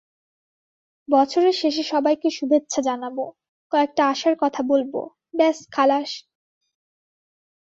বছরের শেষে সবাইকে শুভেচ্ছা জানাব, কয়েকটা আশার কথা বলব, ব্যস খালাস।